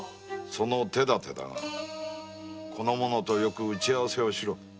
その手段だがこの者とよく打ち合わせをしろ。